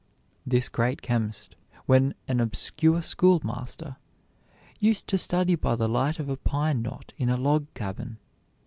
This great chemist, when an obscure schoolmaster, used to study by the light of a pine knot in a log cabin.